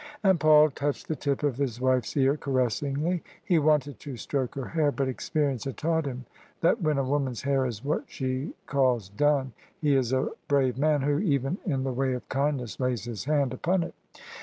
And Paul touched the tip of his wife's ear caressingly. He wanted to stroke her hair: but experience had taught him that when a woman's hair is what she calls "done" he is a brave man who, even In the way of kindness, lays his hand upon it.